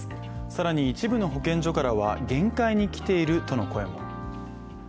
更に一部の保健所からは限界にきているとの声も。